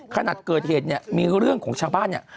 ขณะเกิดเหตุเนี่ยมีเรื่องของชาวบ้านเนี่ย